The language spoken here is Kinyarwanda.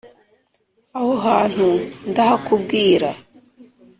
aho hantu ndahakubwira